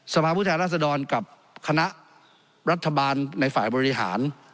สภาพผู้แทนราษฎรกับคณะรัฐบาลในฝ่ายบริหาร